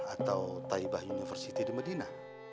atau taibah university di medina